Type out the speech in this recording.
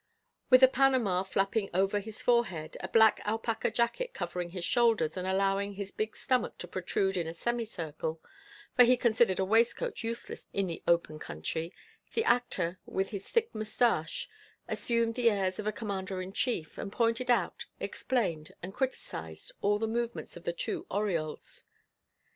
With a Panama flapping over his forehead, a black alpaca jacket covering his shoulders and allowing his big stomach to protrude in a semicircle, for he considered a waistcoat useless in the open country, the actor, with his thick mustache, assumed the airs of a commander in chief, and pointed out, explained, and criticised all the movements of the two Oriols.